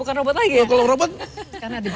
monster bukan robot lagi ya